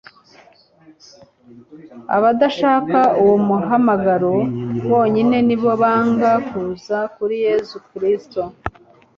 Abadashaka uwo muhamagaro bonyine ni bo banga kuza kuri Yesu Kristo.